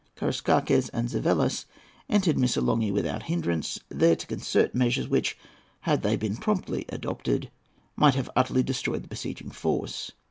Karaïskakes and Zavellas entered Missolonghi without hindrance, there to concert measures which, had they been promptly adopted, might have utterly destroyed the besieging force.